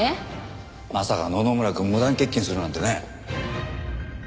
まさか野々村くん無断欠勤するなんてね。